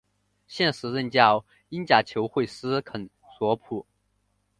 现时任教英甲球会斯肯索普。